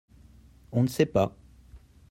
on ne sait pas.